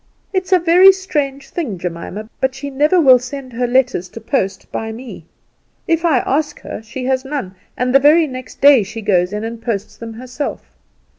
It's a very strange thing, Jemima, but she never will send her letters to post by me. If I ask her she has none, and the very next day she goes in and posts them herself.